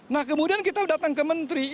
nah kemudian kita datang ke menteri